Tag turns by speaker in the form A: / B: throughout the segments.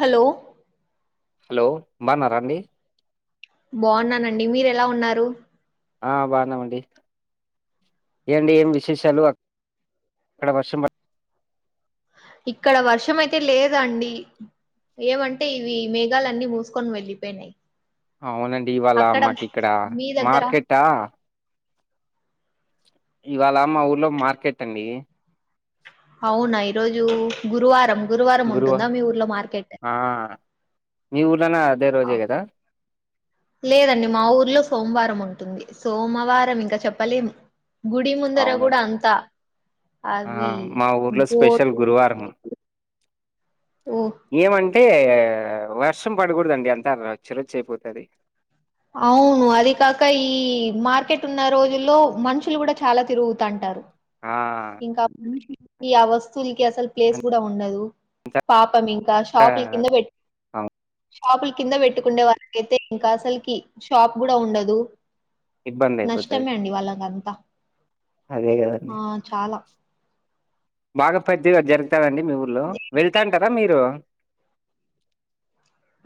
A: Hello
B: hello బాన్నారా అండి
A: బాగున్నానండి మీరు ఎలా ఉన్నారు
B: ఆ బాగున్నామండి ఏండి ఏం విశేషాలు అక్కడ వర్షం ప
A: ఇక్కడ వర్షం అయితే లేదండి ఏమంటే ఇవి మేఘాలన్నీ మూసుకొని వెళ్ళిపోయినాయి
B: అవునండి ఇవాళ
A: అక్కడ
B: మాకి ఇక్కడ
A: మీ దగ్గర
B: మార్కెట్ట ఇవాళ మా ఊర్లో మార్కెట్ అండి
A: అవునా ఈరోజు గురువారం గురువారం ఉంటుందా మీ ఊర్లో మార్కెట్
B: మీ ఊరనా అదే
A: ఆ,
B: రోజే కదా
A: లేదండి మా ఊర్లో సోమవారం ఉంటుంది సోమవారం ఇంకా చెప్పలేము గుడి ముందర
B: అవును
A: కూడా అంత
B: ఆ మా ఊర్లో స్పెషల్
A: బోటు
B: గురువారం
A: ఓ
B: ఏమంటే వర్షం పడకూడదండి అంత రచ్చ రచ్చ అయిపోతుది
A: అవును అది కాక ఈ మార్కెట్ ఉన్న రోజుల్లో మనుషులు కూడా చాలా తిరుగుతంటారు
B: ఆ
A: ఇంకా మనిషులకి ఆ వస్తువులకి అసలు ప్లేస్ కూడా ఉండదు పాపం ఇంకా షాపుల కింద పెట్టి
B: అవును
A: షాపుల కింద పెట్టుకుండే వాళకైతే ఇంకా అసలుకి షాప్ కూడా ఉండదు
B: ఇబ్బంది అయిపోతది
A: నష్టమే అండి వాళ్ళకి అంతా.
B: అదే
A: ఆ
B: కదండి
A: చాలా.
B: బాగా పెద్దగా జరుగుత అండి మీ ఊళ్ళో. వెళ్తాంటారా మీరు.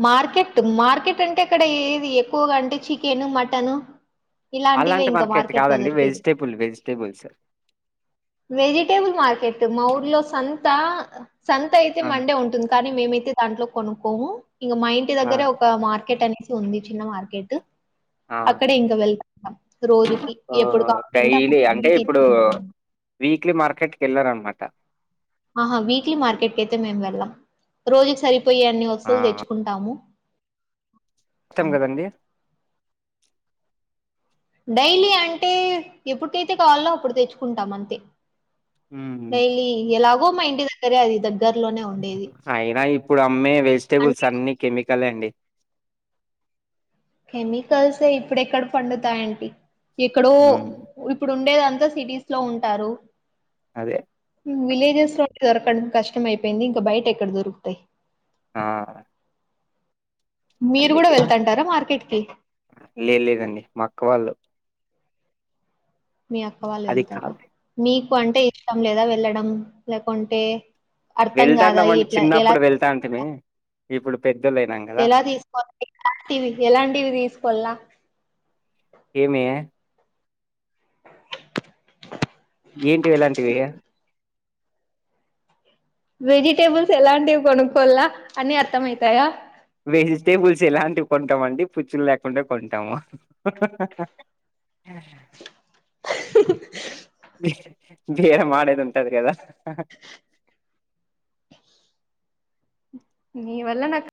A: మార్కెట్ మార్కెట్ అంటే అక్కడ ఏది ఎక్కువగా అంటే చికెన్ మటన్. ఇలాంటివే
B: అలాంటి
A: ఇంకా మార్కెట్ లో
B: కాదండి
A: దొరికేది.
B: వెజిటేబుల్ వెజిటేబుల్స్
A: వెజిటేబుల్ మార్కెట్ మా ఊర్లో సంత. సంత అయితే
B: ఆ
A: మండే ఉంటుంది కానీ మేమైతే. దాంట్లో కొనుక్కోము ఇంక మా ఇంటి
B: ఆ
A: దగ్గరే ఒక మార్కెట్ అనేసి ఉంది చిన్న మార్కెట్.
B: ఆ
A: అక్కడే ఇంకా వెళ్తున్నాం రోజుకి
B: ఓ
A: ఎప్పుడు కావలంటే
B: డైలీ అంటే
A: అప్పటికి.
B: ఇప్పుడు వీక్లీ మార్కెట్ కి ఎళ్ళరన్నమాట.
A: ఆహా వీక్లీ మార్కెట్కి అయితే మేము వెళ్ళాం రోజుకి సరిపోయే అన్ని
B: ఆ
A: వస్తువులు తెచ్చుకుంటాము.
B: కష్టం
A: అంతే
B: కదండి.
A: డైలీ అంటే ఎప్పుటికైతే కావాలో అప్పుడు తెచ్చుకుంటాం అంతే. డైలీ ఎలాగో మా ఇంటి దగ్గరే అది దగ్గర్లోనే ఉండేది.
B: అయినా ఇప్పుడు అమ్మే వెజిటేబుల్స్
A: అంటే
B: అన్ని కెమికలే అండి.
A: కెమికల్సే ఇప్పుడెక్కడ పండుతాయేంటి ఇక్కడో.
B: హ్మ్.
A: ఇప్పుడు ఉండేదంతా సిటీస్ లో ఉంటారు.
B: అదే.
A: విలేజెస్ లో దొరకడం కష్టం మయిపోయింది ఇంకా బయట ఎక్కడ దొరుకుతాయి.
B: ఆ
A: మీరు కూడా వెళ్తాంటారా మార్కెట్ కి.
B: లేదు లేదండి మా అక్క వాళ్ళు.
A: మీ అక్క వాళ్ళు
B: అది
A: వెళ్తారా.
B: కాదు
A: మీకు అంటే ఇష్టం లేదా వెళ్ళడం లేకుంటే. అర్థం
B: వెళ్తాటాం
A: కాదా
B: వెళ్తాంటామి
A: ఇట్లా ఎలా
B: చిన్నప్పుడు వెళ్తా అంటిమి ఇప్పుడు పెద్దోల్లుఐనాం కదా
A: ఎలా తీసుకోవాలి ఎలాంటివి తీసుకోవల్నా
B: ఏమి. ఏంటివి ఎలాంటివే
A: వెజిటేబుల్స్ ఎలాంటివి కొనుక్కోలా అన్ని అర్థం అయితాయా
B: వెజిటేబుల్స్ ఎలాంటివి కొంటాం అండి పుచ్చులు లేకుండా కొంటాము. హ హహా హ బేరం ఆడేది ఉంటది కదా.
A: మీ వళ్ళ నాకు